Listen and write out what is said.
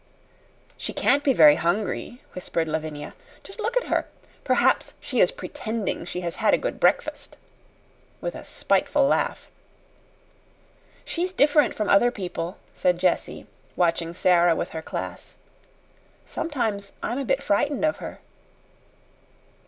"She can't be very hungry," whispered Lavinia. "Just look at her. Perhaps she is pretending she has had a good breakfast" with a spiteful laugh. "She's different from other people," said Jessie, watching Sara with her class. "Sometimes I'm a bit frightened of her."